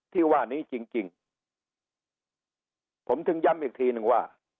ที่ว่านี้จริงผมถึงย้ำอีกทีนึงว่า